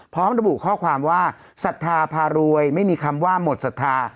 พร้อมระบุข้อความว่าศรัทธาพารวยไม่มีคำว่าหมดศรัทธา